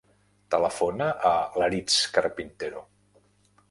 Telefona a l'Aritz Carpintero.